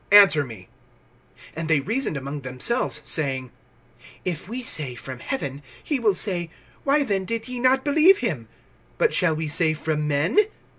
Answer me. (31)And they reasoned among themselves, saying: (32)If we say, from heaven; he will say, why then did ye not believe him? But shall we say from men?